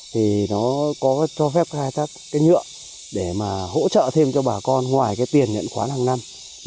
thì nó có cho phép khai thác nhựa để hỗ trợ thêm cho bà con ngoài tiền nhận khoán hàng năm